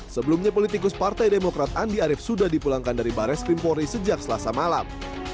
sebelumnya politikus partai demokrat andi arief sudah dipulangkan dari bares krimpori sejak selasa malam